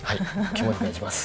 肝に銘じます。